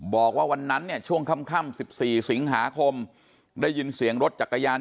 บอกว่าวันนั้นเนี่ยช่วงค่ำ๑๔สิงหาคมได้ยินเสียงรถจักรยาน